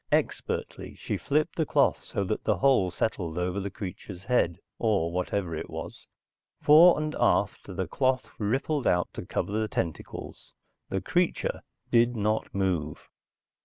Expertly, she flipped the cloth so that the hole settled over the creature's head, or whatever it was. Fore and aft, the cloth rippled out to cover the tentacles. The creature did not move.